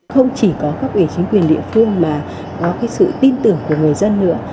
không chỉ có các chính quyền địa phương mà có sự tin tưởng của người dân nữa